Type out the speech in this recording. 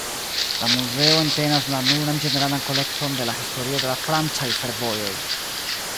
La muzeo entenas la nuran ĝeneralan kolekton de la historio de la francaj fervojoj.